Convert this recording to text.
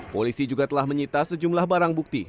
polisi juga telah menyita sejumlah barang bukti